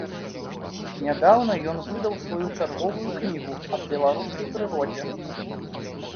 Нядаўна ён выдаў сваю чарговую кнігу аб беларускай прыродзе.